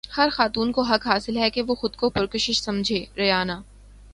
ہر خاتون کو حق حاصل ہے کہ وہ خود کو پرکشش سمجھے ریانا